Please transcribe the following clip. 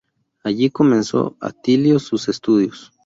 Allí comenzó Atilio sus estudios.